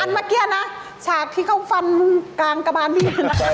มัคเกลียแล้วนะฉากที่เขาฟันกางกะบานนี่